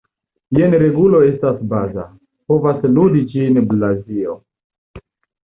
Jen regulo estas baza, povas studi ĝin Blazio.